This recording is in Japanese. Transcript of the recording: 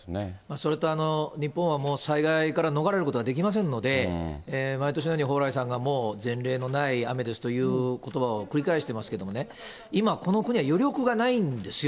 それと、日本はもう、災害から逃れることはできませんので、毎年のように蓬莱さんがもう前例のない雨ですということばを繰り返してますけれどもね、今この国は余力がないんですよ。